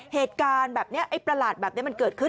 เหตุการณ์แบบนี้ไอ้ประหลาดแบบนี้มันเกิดขึ้น